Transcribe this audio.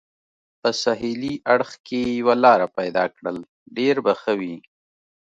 په سهېلي اړخ کې یوه لار پیدا کړل، ډېر به ښه وي.